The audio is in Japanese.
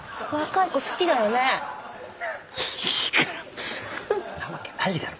そんなわけないだろ！